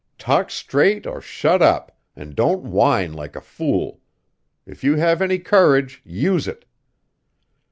Talk straight or shut up, and don't whine like a fool. If you have any courage, use it."